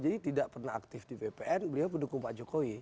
jadi tidak pernah aktif di bpn beliau pendukung pak jokowi